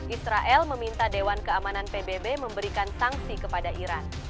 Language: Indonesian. israel meminta dewan keamanan pbb memberikan sanksi kepada iran